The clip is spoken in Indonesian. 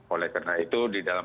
oleh karena itu di dalam